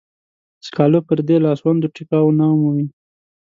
سکالو پردې لاسوندو ټيکاو نه مومي.